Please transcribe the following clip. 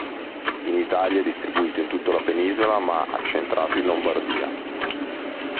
In Italia è distribuito in tutta la penisola, ma accentrato in Lombardia.